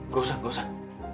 gak usah gak usah